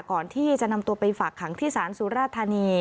ก่อนที่จะนำตัวไปฝากขังที่ศาลสุราธานี